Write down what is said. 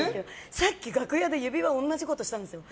さっき楽屋で指輪で同じことしたんですよ。